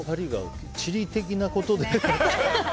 地理的なことで。